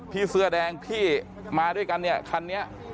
เสื้อแดงที่มาด้วยกันเนี่ยคันนี้